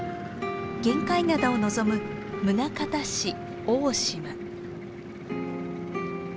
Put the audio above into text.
玄界灘を望む宗像市大島。